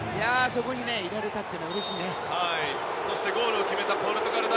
そこにいられたっていうのはうれしいですね。